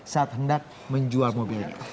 saat hendak menjual mobil ini